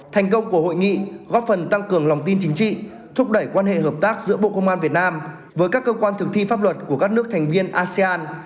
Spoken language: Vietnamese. thành công của hội nghị góp phần tăng cường lòng tin chính trị thúc đẩy quan hệ hợp tác giữa bộ công an việt nam với các cơ quan thực thi pháp luật của các nước thành viên asean